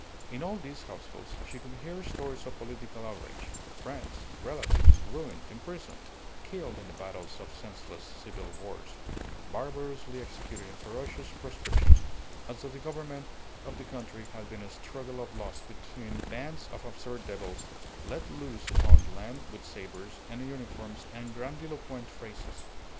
In all these households she could hear stories of political outrage; friends, relatives, ruined, imprisoned, killed in the battles of senseless civil wars, barbarously executed in ferocious proscriptions, as though the government of the country had been a struggle of lust between bands of absurd devils let loose upon the land with sabres and uniforms and grandiloquent phrases.